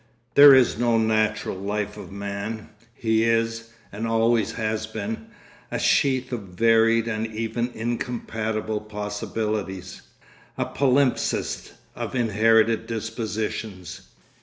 There is no natural life of man. He is, and always has been, a sheath of varied and even incompatible possibilities, a palimpsest of inherited dispositions.